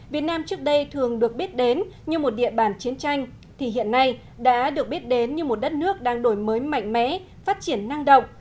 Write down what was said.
việt nam trước đây thường được biết đến như một địa bàn chiến tranh thì hiện nay đã được biết đến như một đất nước đang đổi mới mạnh mẽ phát triển năng động